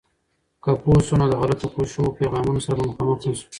که پوه سو، نو د غلطو خوشو پیغامونو سره به مخامخ نسو.